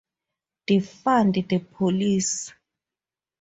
Defund the Police.